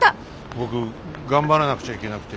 僕頑張らなくちゃいけなくて。